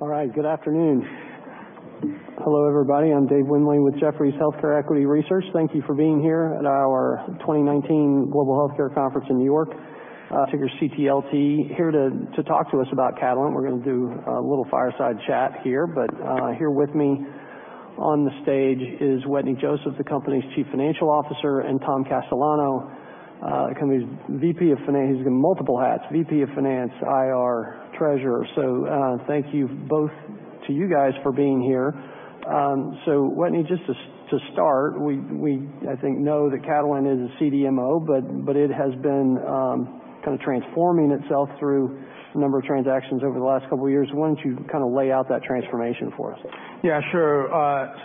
All right, good afternoon. Hello, everybody. I'm Dave Windley with Jefferies Healthcare Equity Research. Thank you for being here at our 2019 Global Healthcare Conference in New York. CTLT here to talk to us about Catalent. We're going to do a little fireside chat here. But here with me on the stage is Wetteny Joseph, the company's Chief Financial Officer, and Tom Castellano, the company's VP of Finance. He's got multiple hats: VP of Finance, IR, Treasurer. So thank you both, you guys, for being here. So Wetteny, just to start, we, I think, know that Catalent is a CDMO, but it has been kind of transforming itself through a number of transactions over the last couple of years. Why don't you kind of lay out that transformation for us? Sure.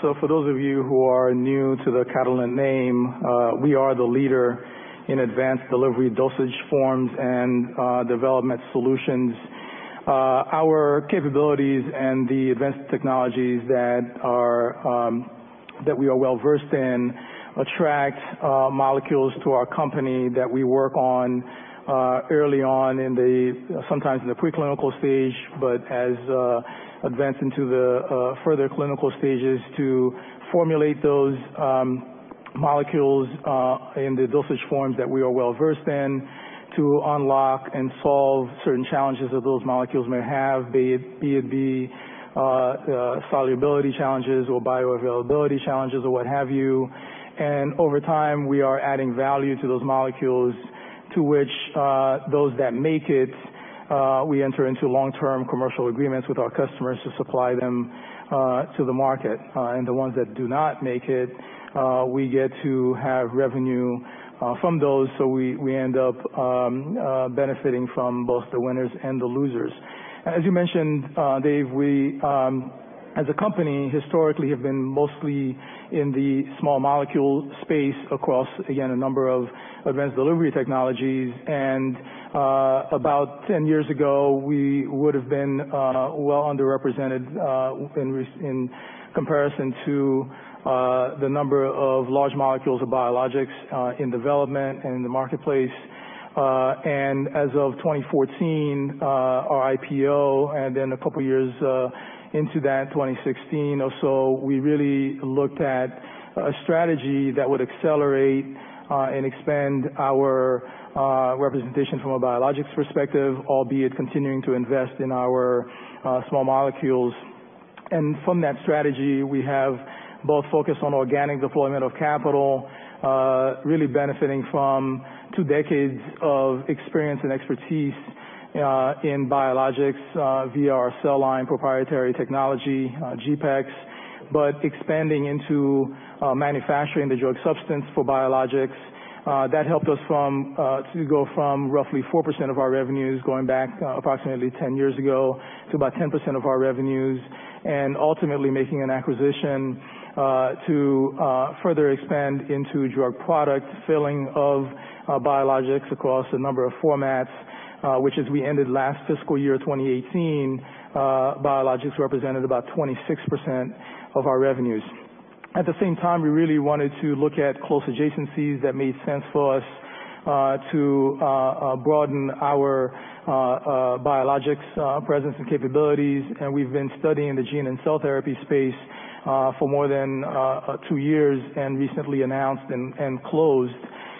So for those of you who are new to the Catalent name, we are the leader in advanced delivery dosage forms and development solutions. Our capabilities and the advanced technologies that we are well versed in attract molecules to our company that we work on early on, sometimes in the preclinical stage, but as advance into the further clinical stages to formulate those molecules in the dosage forms that we are well versed in to unlock and solve certain challenges that those molecules may have, be it solubility challenges or bioavailability challenges or what have you. And over time, we are adding value to those molecules, to which those that make it, we enter into long-term commercial agreements with our customers to supply them to the market. And the ones that do not make it, we get to have revenue from those. So we end up benefiting from both the winners and the losers. As you mentioned, Dave, we as a company historically have been mostly in the small molecule space across, again, a number of advanced delivery technologies. And about 10 years ago, we would have been well underrepresented in comparison to the number of large molecules of biologics in development and in the marketplace. And as of 2014, our IPO, and then a couple of years into that, 2016 or so, we really looked at a strategy that would accelerate and expand our representation from a biologics perspective, albeit continuing to invest in our small molecules. And from that strategy, we have both focused on organic deployment of capital, really benefiting from two decades of experience and expertise in biologics via our cell line proprietary technology, GPEx, but expanding into manufacturing the drug substance for biologics. That helped us to go from roughly 4% of our revenues going back approximately 10 years ago to about 10% of our revenues, and ultimately making an acquisition to further expand into drug product filling of biologics across a number of formats, which as we ended last FY 2018, biologics represented about 26% of our revenues. At the same time, we really wanted to look at close adjacencies that made sense for us to broaden our biologics presence and capabilities. And we've been studying the gene and cell therapy space for more than two years and recently announced and closed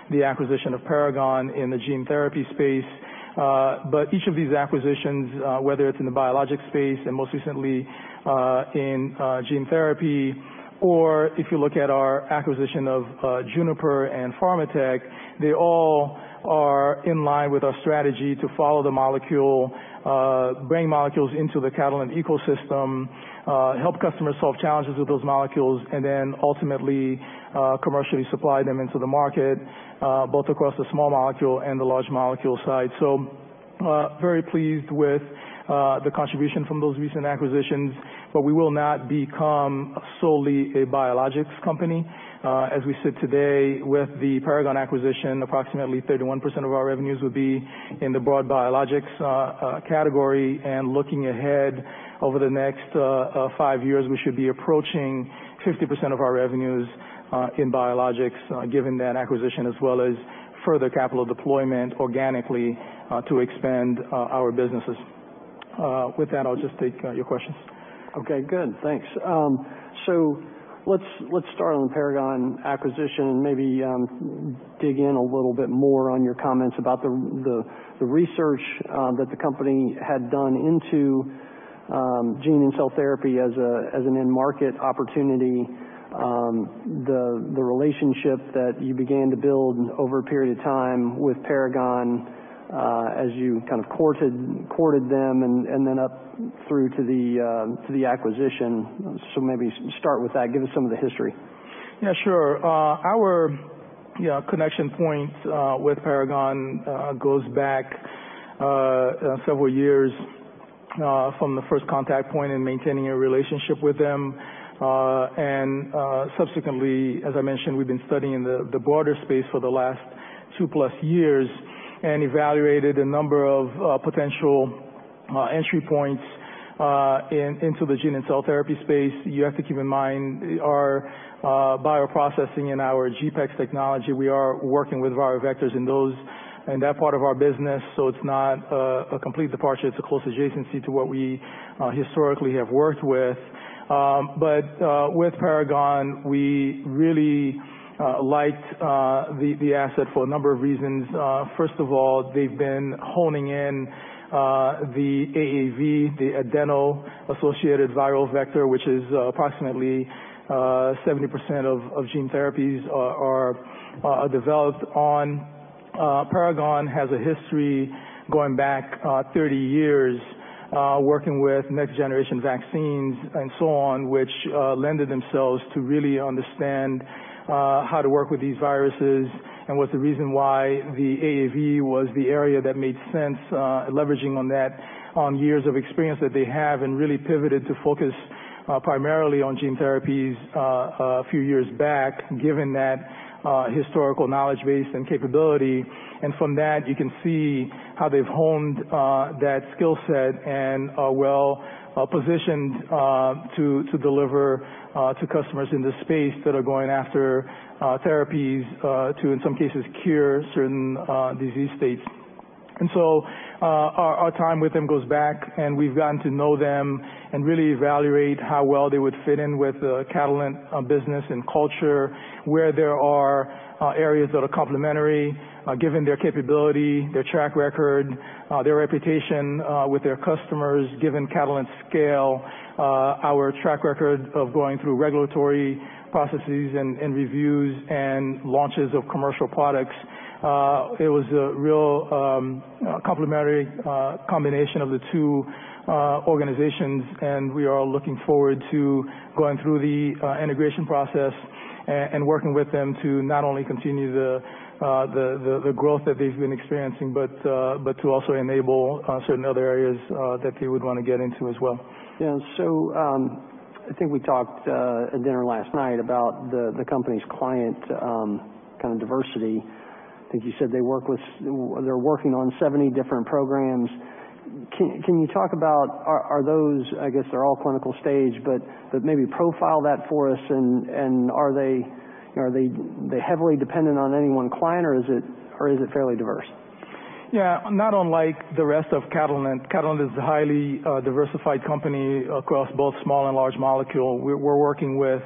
the acquisition of Paragon in the gene therapy space. But each of these acquisitions, whether it's in the biologic space and most recently in gene therapy, or if you look at our acquisition of Juniper and PharmaTech, they all are in line with our strategy to follow the molecule, bring molecules into the Catalent ecosystem, help customers solve challenges with those molecules, and then ultimately commercially supply them into the market, both across the small molecule and the large molecule side. So very pleased with the contribution from those recent acquisitions. But we will not become solely a biologics company. As we sit today with the Paragon acquisition, approximately 31% of our revenues would be in the broad biologics category. And looking ahead over the next five years, we should be approaching 50% of our revenues in biologics, given that acquisition, as well as further capital deployment organically to expand our businesses. With that, I'll just take your questions. Okay, good. Thanks. So let's start on the Paragon acquisition and maybe dig in a little bit more on your comments about the research that the company had done into gene and cell therapy as an end market opportunity, the relationship that you began to build over a period of time with Paragon as you kind of courted them, and then up through to the acquisition. So maybe start with that. Give us some of the history. Sure. Our connection point with Paragon goes back several years from the first contact point and maintaining a relationship with them. And subsequently, as I mentioned, we've been studying the broader space for the last two plus years and evaluated a number of potential entry points into the gene and cell therapy space. You have to keep in mind our bioprocessing and our GPEx technology. We are working with viral vectors in that part of our business. So it's not a complete departure. It's a close adjacency to what we historically have worked with. But with Paragon, we really liked the asset for a number of reasons. First of all, they've been honing in on the AAV, the adeno-associated viral vector, which is approximately 70% of gene therapies are developed on. Paragon has a history going back 30 years working with next generation vaccines and so on, which lent themselves to really understand how to work with these viruses and what's the reason why the AAV was the area that made sense, leveraging on that years of experience that they have and really pivoted to focus primarily on gene therapies a few years back, given that historical knowledge base and capability, and from that, you can see how they've honed that skill set and are well positioned to deliver to customers in this space that are going after therapies to, in some cases, cure certain disease states. Our time with them goes back, and we've gotten to know them and really evaluate how well they would fit in with the Catalent business and culture, where there are areas that are complementary, given their capability, their track record, their reputation with their customers, given Catalent's scale, our track record of going through regulatory processes and reviews and launches of commercial products. It was a real complementary combination of the two organizations. We are looking forward to going through the integration process and working with them to not only continue the growth that they've been experiencing, but to also enable certain other areas that they would want to get into as well. So I think we talked at dinner last night about the company's client kind of diversity. I think you said they're working on 70 different programs. Can you talk about are those? I guess they're all clinical stage, but maybe profile that for us. And are they heavily dependent on any one client, or is it fairly diverse? Yeah, not unlike the rest of Catalent. Catalent is a highly diversified company across both small and large molecule. We're working with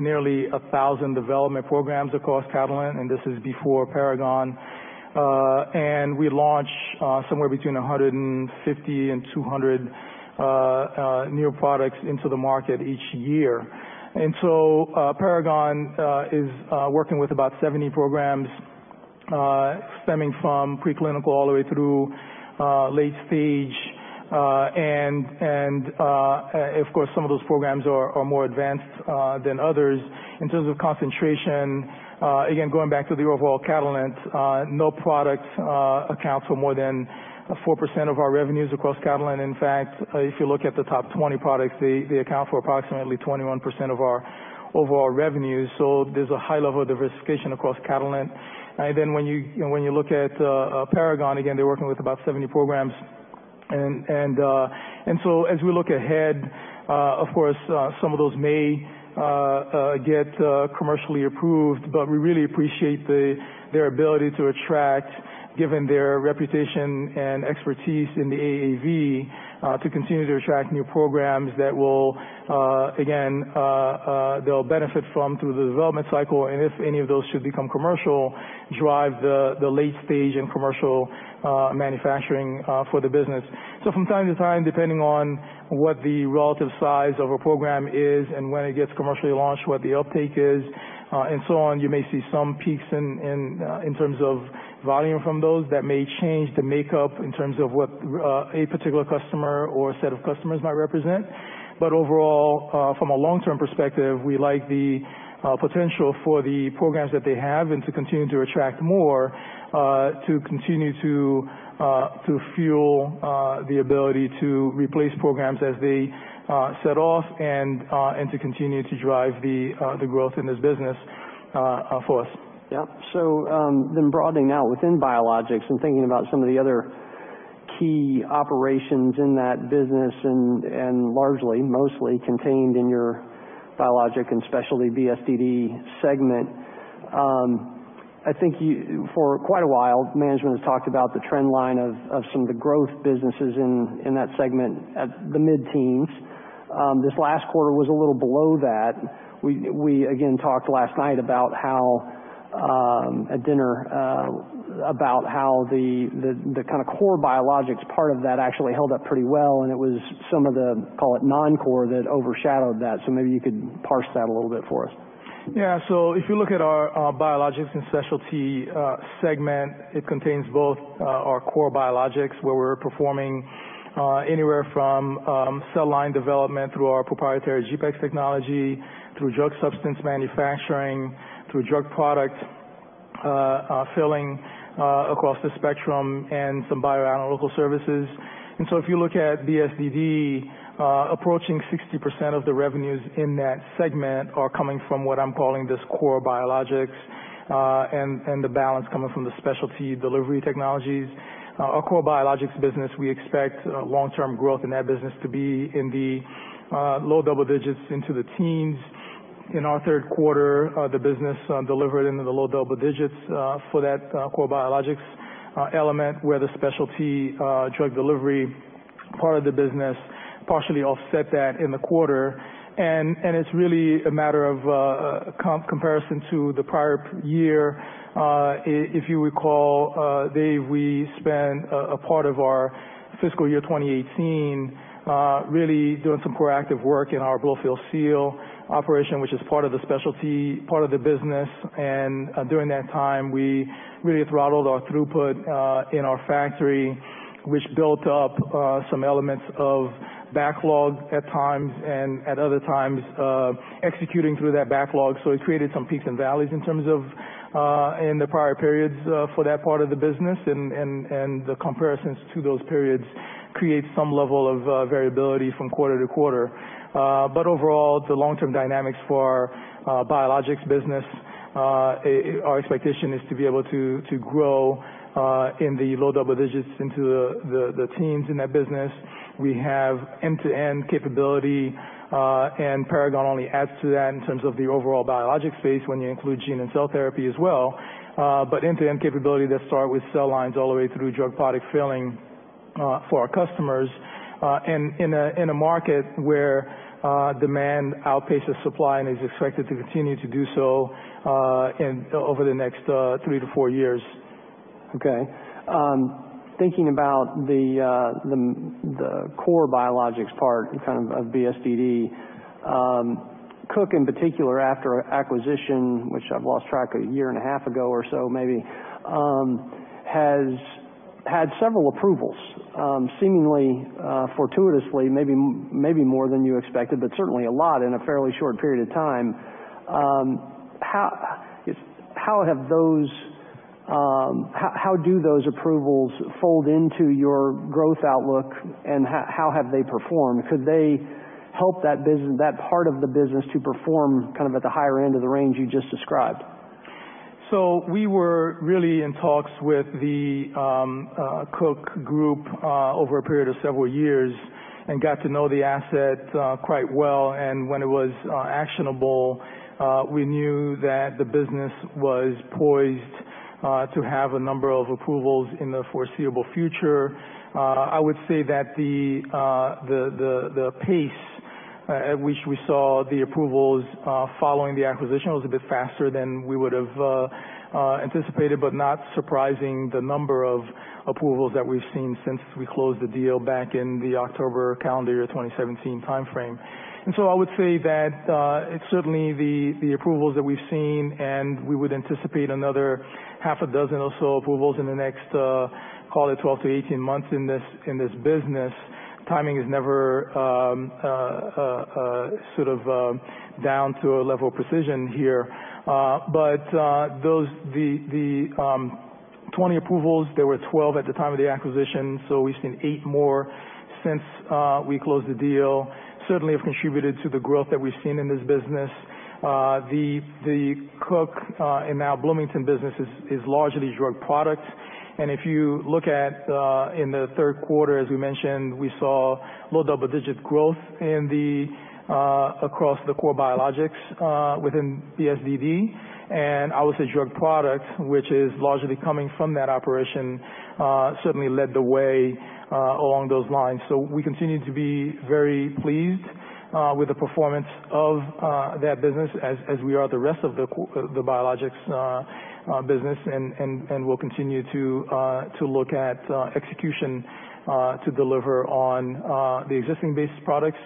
nearly 1,000 development programs across Catalent, and this is before Paragon. And we launch somewhere between 150 and 200 new products into the market each year. And so Paragon is working with about 70 programs, stemming from preclinical all the way through late stage. And of course, some of those programs are more advanced than others. In terms of concentration, again, going back to the overall Catalent, no product accounts for more than 4% of our revenues across Catalent. In fact, if you look at the top 20 products, they account for approximately 21% of our overall revenues. So there's a high level of diversification across Catalent. And then when you look at Paragon, again, they're working with about 70 programs. And so as we look ahead, of course, some of those may get commercially approved. But we really appreciate their ability to attract, given their reputation and expertise in the AAV, to continue to attract new programs that will, again, they'll benefit from through the development cycle. And if any of those should become commercial, drive the late stage and commercial manufacturing for the business. So from time to time, depending on what the relative size of a program is and when it gets commercially launched, what the uptake is, and so on, you may see some peaks in terms of volume from those that may change the makeup in terms of what a particular customer or set of customers might represent. But overall, from a long-term perspective, we like the potential for the programs that they have and to continue to attract more to continue to fuel the ability to replace programs as they set off and to continue to drive the growth in this business for us. So then broadening out within biologics and thinking about some of the other key operations in that business and largely, mostly contained in your biologics and specialty BSDD segment. I think for quite a while, management has talked about the trend line of some of the growth businesses in that segment at the mid-teens. This last quarter was a little below that. We again talked last night about how at dinner the kind of core biologics part of that actually held up pretty well. And it was some of the, call it non-core that overshadowed that. So maybe you could parse that a little bit for us. So if you look at our biologics and specialty segment, it contains both our core biologics, where we're performing anywhere from cell line development through our proprietary GPEx technology, through drug substance manufacturing, through drug product filling across the spectrum, and some bioanalytical services. And so if you look at BSDD, approaching 60% of the revenues in that segment are coming from what I'm calling this core biologics and the balance coming from the specialty delivery technologies. Our core biologics business, we expect long-term growth in that business to be in the low double digits into the teens. In our Q3, the business delivered into the low double digits for that core biologics element, where the specialty drug delivery part of the business partially offset that in the quarter. And it's really a matter of comparison to the prior year. If you recall, Dave, we spent a part of our FY 2018 really doing some proactive work in our Blow-Fill-Seal operation, which is part of the specialty part of the business. And during that time, we really throttled our throughput in our factory, which built up some elements of backlog at times and at other times executing through that backlog. So it created some peaks and valleys in terms of the prior periods for that part of the business. And the comparisons to those periods create some level of variability from quarter to quarter. But overall, the long-term dynamics for our biologics business, our expectation is to be able to grow in the low double digits into the teens in that business. We have end-to-end capability. Paragon only adds to that in terms of the overall biologics space when you include gene and cell therapy as well. End-to-end capability that start with cell lines all the way through drug product filling for our customers in a market where demand outpaces supply and is expected to continue to do so over the next three to four years. Okay. Thinking about the core biologics part kind of of BSDD, Cook in particular after acquisition, which I've lost track of a year and a half ago or so maybe, has had several approvals, seemingly fortuitously, maybe more than you expected, but certainly a lot in a fairly short period of time. How do those approvals fold into your growth outlook? And how have they performed? Could they help that part of the business to perform kind of at the higher end of the range you just described? So we were really in talks with the Cook Group over a period of several years and got to know the asset quite well. And when it was actionable, we knew that the business was poised to have a number of approvals in the foreseeable future. I would say that the pace at which we saw the approvals following the acquisition was a bit faster than we would have anticipated, but not surprising the number of approvals that we've seen since we closed the deal back in the October calendar year 2017 timeframe. And so I would say that it's certainly the approvals that we've seen, and we would anticipate another half a dozen or so approvals in the next, call it 12-18 months in this business. Timing is never sort of down to a level of precision here. But the 20 approvals, there were 12 at the time of the acquisition. So we've seen eight more since we closed the deal. Certainly have contributed to the growth that we've seen in this business. The Cook and now Bloomington business is largely drug products. And if you look at in the Q3, as we mentioned, we saw low double digit growth across the core biologics within BSDD. And I would say drug products, which is largely coming from that operation, certainly led the way along those lines. So we continue to be very pleased with the performance of that business as we are at the rest of the biologics business. And we'll continue to look at execution to deliver on the existing base products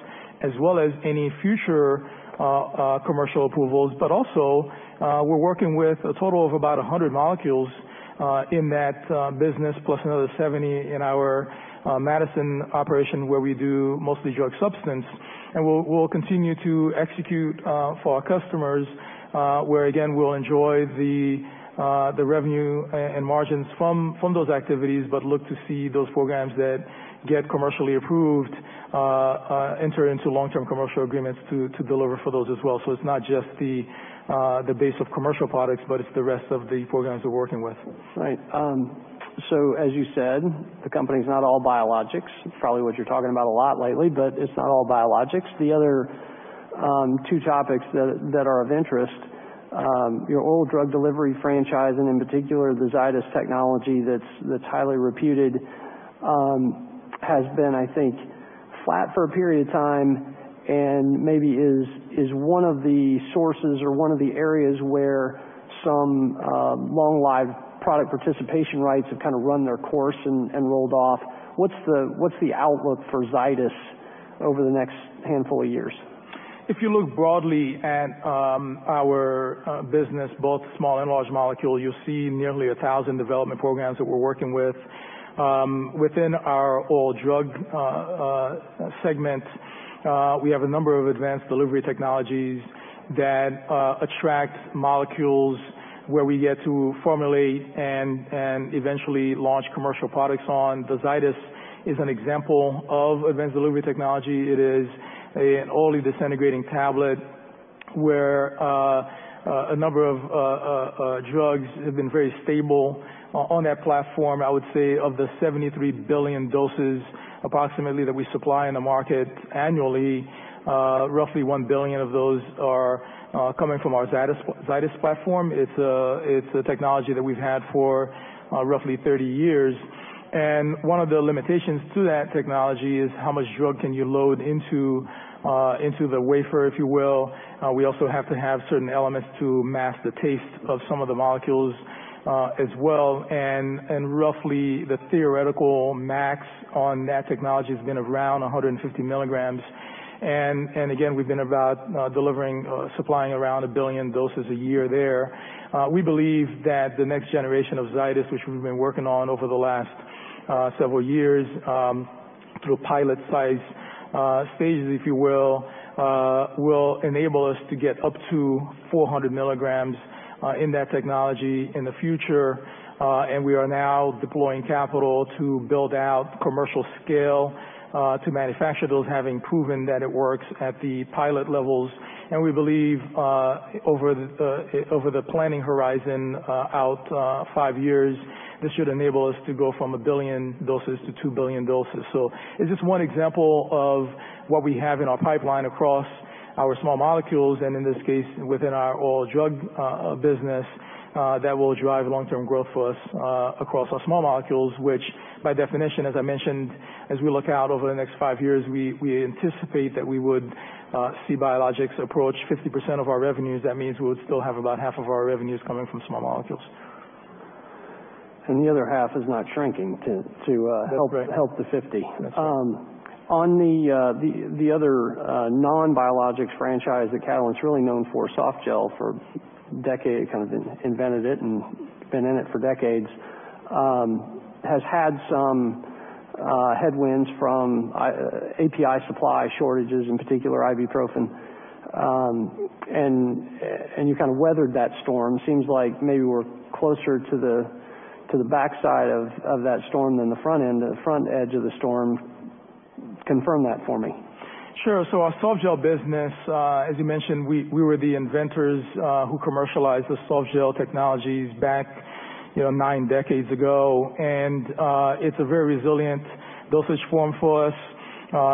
as well as any future commercial approvals. But also, we're working with a total of about 100 molecules in that business, plus another 70 in our Madison operation, where we do mostly drug substance. And we'll continue to execute for our customers, where again, we'll enjoy the revenue and margins from those activities, but look to see those programs that get commercially approved enter into long-term commercial agreements to deliver for those as well. So it's not just the base of commercial products, but it's the rest of the programs we're working with. Right. So as you said, the company's not all biologics. It's probably what you're talking about a lot lately, but it's not all biologics. The other two topics that are of interest, your oral drug delivery franchise and in particular, the Zydis technology that's highly reputed has been, I think, flat for a period of time and maybe is one of the sources or one of the areas where some long-lived product participation rights have kind of run their course and rolled off. What's the outlook for Zydis over the next handful of years? If you look broadly at our business, both small and large molecule, you'll see nearly 1,000 development programs that we're working with. Within our oral drug segment, we have a number of advanced delivery technologies that attract molecules where we get to formulate and eventually launch commercial products on. The Zydis is an example of advanced delivery technology. It is an orally disintegrating tablet where a number of drugs have been very stable on that platform. I would say of the 73 billion doses approximately that we supply in the market annually, roughly 1 billion of those are coming from our Zydis platform. It's a technology that we've had for roughly 30 years, and one of the limitations to that technology is how much drug can you load into the wafer, if you will. We also have to have certain elements to mask the taste of some of the molecules as well. And roughly the theoretical max on that technology has been around 150 milligrams. And again, we've been about delivering, supplying around a billion doses a year there. We believe that the next generation of Zydis, which we've been working on over the last several years through pilot size stages, if you will, will enable us to get up to 400 milligrams in that technology in the future. And we are now deploying capital to build out commercial scale to manufacture those, having proven that it works at the pilot levels. And we believe over the planning horizon out five years, this should enable us to go from a billion doses to 2 billion doses. So it's just one example of what we have in our pipeline across our small molecules. In this case, within our oral drug business, that will drive long-term growth for us across our small molecules, which by definition, as I mentioned, as we look out over the next five years, we anticipate that we would see biologics approach 50% of our revenues. That means we would still have about half of our revenues coming from small molecules. And the other half is not shrinking to help the 50. On the other non-biologics franchise that Catalent's really known for, Softgel, for a decade, kind of invented it and been in it for decades, has had some headwinds from API supply shortages, in particular, ibuprofen. And you kind of weathered that storm. Seems like maybe we're closer to the backside of that storm than the front end. The front edge of the storm, confirm that for me. Sure. So our Softgel business, as you mentioned, we were the inventors who commercialized the Softgel technologies back nine decades ago. And it's a very resilient dosage form for us.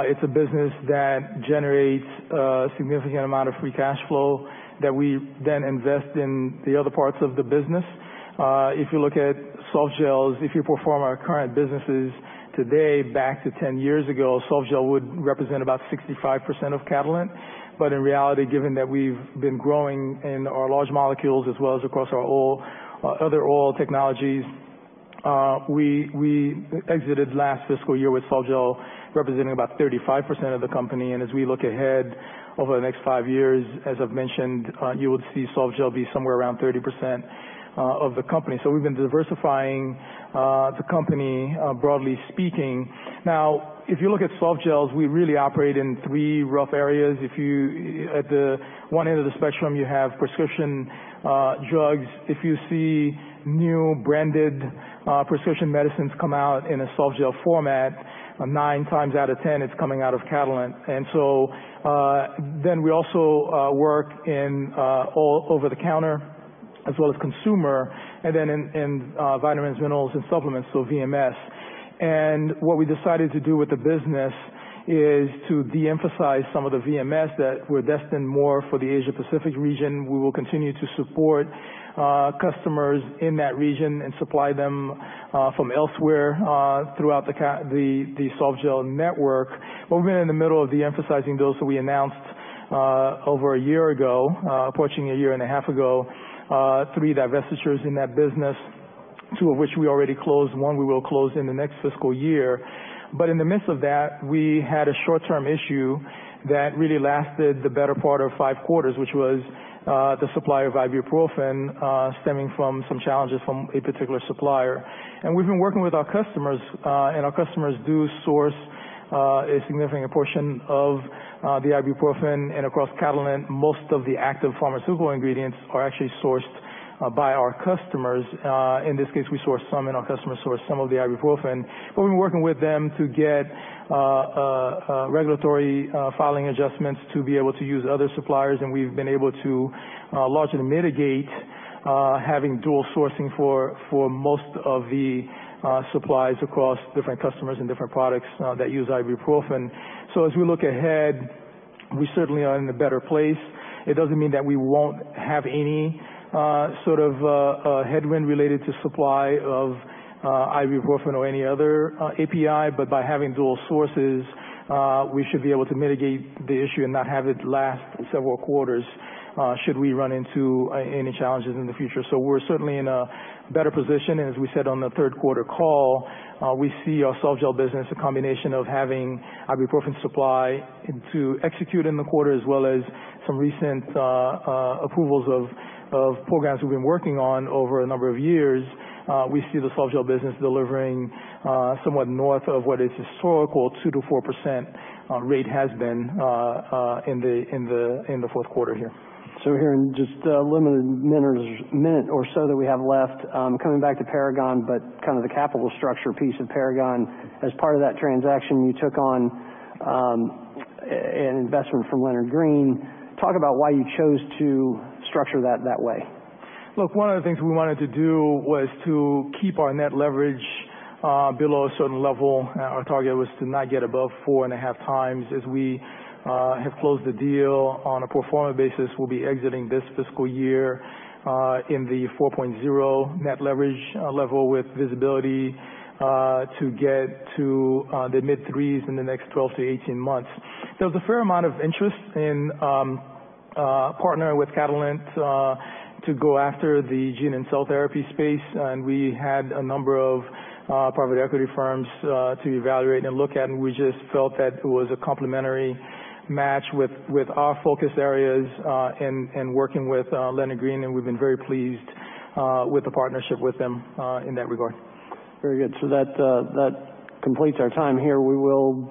It's a business that generates a significant amount of free cash flow that we then invest in the other parts of the business. If you look at Softgels, if you perform our current businesses today, back to 10 years ago, Softgel would represent about 65% of Catalent. But in reality, given that we've been growing in our large molecules as well as across our other oral technologies, we exited last fiscal year with Softgel representing about 35% of the company. And as we look ahead over the next five years, as I've mentioned, you would see Softgel be somewhere around 30% of the company. So we've been diversifying the company, broadly speaking. Now, if you look at Softgels, we really operate in three rough areas. At the one end of the spectrum, you have prescription drugs. If you see new branded prescription medicines come out in a Softgel format, nine times out of 10, it's coming out of Catalent, and so then we also work in all over-the-counter as well as consumer, and then in vitamins, minerals, and supplements, so VMS, and what we decided to do with the business is to de-emphasize some of the VMS that were destined more for the Asia-Pacific region. We will continue to support customers in that region and supply them from elsewhere throughout the Softgel network, but we've been in the middle of de-emphasizing those, so we announced over a year ago, approaching a year and a half ago, three divestitures in that business, two of which we already closed. One we will close in the next fiscal year, but in the midst of that, we had a short-term issue that really lasted the better part of five quarters, which was the supply of ibuprofen stemming from some challenges from a particular supplier. And we've been working with our customers, and our customers do source a significant portion of the ibuprofen. And across Catalent, most of the active pharmaceutical ingredients are actually sourced by our customers. In this case, we source some and our customers source some of the ibuprofen, but we've been working with them to get regulatory filing adjustments to be able to use other suppliers. And we've been able to largely mitigate having dual sourcing for most of the supplies across different customers and different products that use ibuprofen, so as we look ahead, we certainly are in a better place. It doesn't mean that we won't have any sort of headwind related to supply of ibuprofen or any other API, but by having dual sources, we should be able to mitigate the issue and not have it last several quarters should we run into any challenges in the future. We're certainly in a better position, and as we said on the Q3 call, we see our Softgel business, a combination of having ibuprofen supply to execute in the quarter as well as some recent approvals of programs we've been working on over a number of years, we see the Softgel business delivering somewhat north of what its historical 2%-4% rate has been in the Q4 here. So here in just a limited minute or so that we have left, coming back to Paragon, but kind of the capital structure piece of Paragon, as part of that transaction, you took on an investment from Leonard Green. Talk about why you chose to structure that that way. Look, one of the things we wanted to do was to keep our net leverage below a certain level. Our target was to not get above four and a half times. As we have closed the deal on a pro forma basis, we'll be exiting this fiscal year in the 4.0 net leverage level with visibility to get to the mid-threes in the next 12 to 18 months. There was a fair amount of interest in partnering with Catalent to go after the gene and cell therapy space, and we had a number of private equity firms to evaluate and look at, and we just felt that it was a complementary match with our focus areas and working with Leonard Green, and we've been very pleased with the partnership with them in that regard. Very good. So that completes our time here. We will.